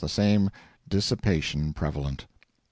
the same dissipation prevalent.